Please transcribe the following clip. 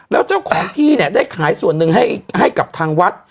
แล้วเจ้าของที่เนี่ยได้ขายส่วนหนึ่งให้กับทางวัด